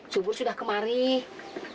subur sudah kemarin